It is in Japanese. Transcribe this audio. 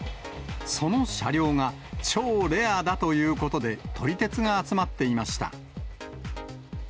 その車両が超レアだということで、撮り鉄が集まっていました。